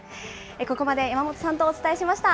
ここまで山本さんとお伝えしました。